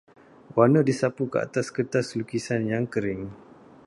Warna disapu ke atas kertas lukisan yang kering.